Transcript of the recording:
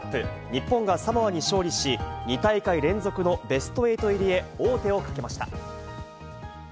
日本がサモアに勝利し、２大会連続のベスト８入りへ、王手をかけました。